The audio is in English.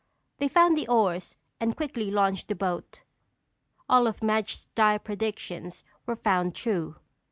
They found the oars and quickly launched the boat. All of Madge's dire predictions were found true.